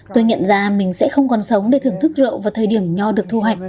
tôi nhận ra mình sẽ không còn sống để thưởng thức rượu vào thời điểm nho được thu hoạch